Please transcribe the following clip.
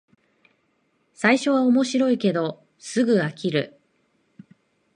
最初は面白いけどすぐ飽きる